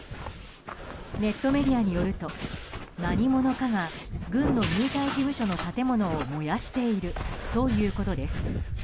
ネットメディアによると何者かが軍の入隊事務所の建物を燃やしているということです。